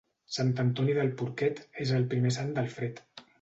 Sant Antoni del porquet és el primer sant del fred.